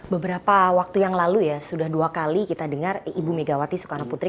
beberapa waktu yang lalu ya sudah dua kali kita dengar ibu megawati soekarno putri